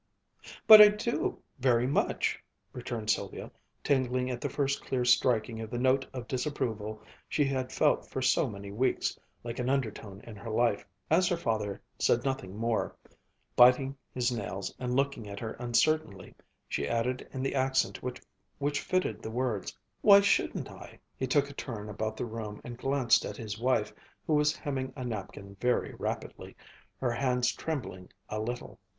"But I do, very much!" returned Sylvia, tingling at the first clear striking of the note of disapproval she had felt for so many weeks like an undertone in her life. As her father said nothing more, biting his nails and looking at her uncertainly, she added in the accent which fitted the words, "Why shouldn't I?" He took a turn about the room and glanced at his wife, who was hemming a napkin very rapidly, her hands trembling a little.